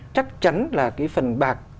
chắc chắn là cái phần bạc